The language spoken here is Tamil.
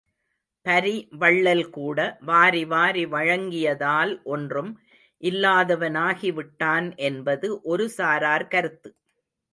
பரி வள்ளல் கூட வாரி வாரி வழங்கியதால் ஒன்றும் இல்லாதவனாகிவிட்டான் என்பது ஒருசாரார் கருத்து.